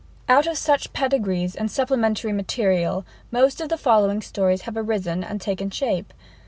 Out of such pedigrees and supplementary material most of the following stories have arisen and taken shape.